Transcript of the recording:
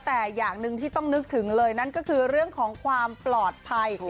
แต่อย่างหนึ่งที่ต้องนึกถึงเลยนั่นก็คือเรื่องของความปลอดภัย